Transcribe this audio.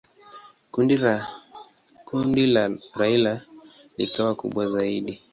Kundi la Raila likawa kubwa zaidi.